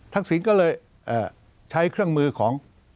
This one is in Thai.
ทักศิลป์ก็เลยเอ่อใช้เครื่องมือของ